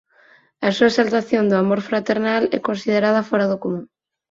A súa exaltación do amor fraternal é considerada fóra do común.